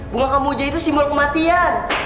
bunga kamboja itu simbol kematian